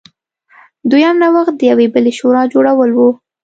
دویم نوښت د یوې بلې شورا جوړول و.